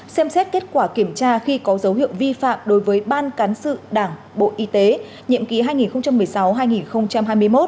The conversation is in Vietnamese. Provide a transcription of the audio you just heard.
xem xét kết quả kiểm tra khi có dấu hiệu vi phạm đối với ban cán sự đảng bộ y tế nhiệm ký hai nghìn một mươi sáu hai nghìn hai mươi một